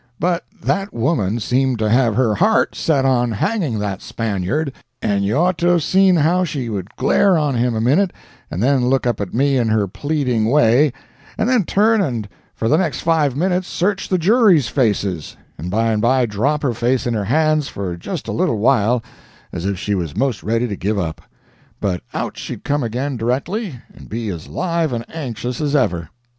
But that woman seemed to have her heart set on hanging that Spaniard; and you'd ought to have seen how she would glare on him a minute, and then look up at me in her pleading way, and then turn and for the next five minutes search the jury's faces, and by and by drop her face in her hands for just a little while as if she was most ready to give up; but out she'd come again directly, and be as live and anxious as ever.